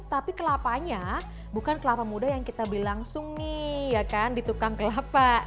tapi kelapanya bukan kelapa muda yang kita beli langsung nih ya kan di tukang kelapa